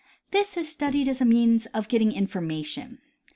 This is studied as a means of getting information.